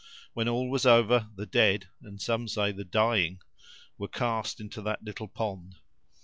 "When all was over, the dead, and some say the dying, were cast into that little pond.